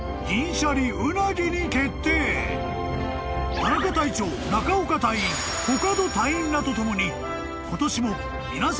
［田中隊長中岡隊員コカド隊員らと共に今年も］